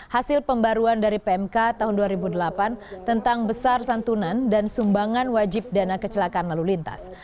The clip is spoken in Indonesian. hasil pembaruan dari pmk tahun dua ribu delapan tentang besar santunan dan sumbangan wajib dana kecelakaan lalu lintas